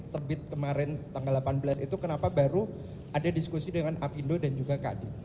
terbit kemarin tanggal delapan belas itu kenapa baru ada diskusi dengan apindo dan juga kadi